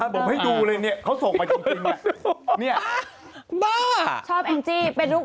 บอกให้ดูเลยเขาส่งมาจริง